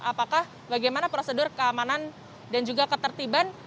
apakah bagaimana prosedur keamanan dan juga ketertiban